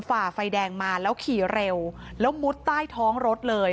ฝ่าไฟแดงมาแล้วขี่เร็วแล้วมุดใต้ท้องรถเลย